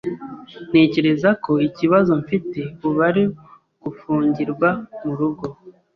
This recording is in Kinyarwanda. Ntekereza ko ikibazo mfite ubu ari ugufungirwa murugo.